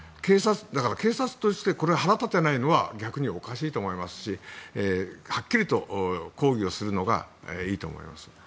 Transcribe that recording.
警察として、腹を立てないのは逆におかしいと思いますしはっきりと抗議をするのがいいと思います。